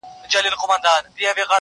ویل ژر سه مُلا پورته سه کښتۍ ته-